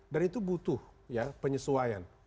dan itu butuh penyesuaian